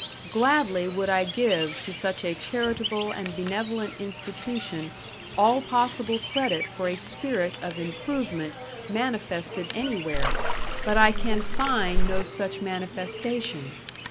Gladly would I give to such a charitable and benevolent institution all possible credit for a spirit of improvement manifested anywhere, but I can find no such manifestation.